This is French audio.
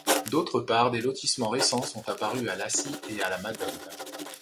D'autre part des lotissements récents sont apparus à Lassy et à la Madone.